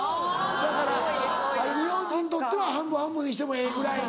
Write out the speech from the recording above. だから日本人にとっては半分半分にしてもええぐらい。